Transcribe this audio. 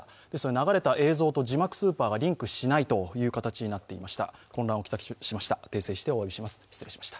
流れた映像と字幕スーパーがリンクしない形になっていました。